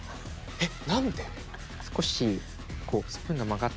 えっ！